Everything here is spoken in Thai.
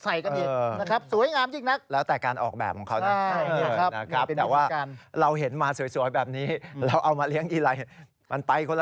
มีกลิ่งอะไรมาใส่กันอีกนะครับสวยงามจริงนะ